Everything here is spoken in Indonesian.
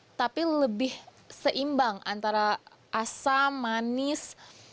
diri kuat tapi lebih seimbang antara asam manis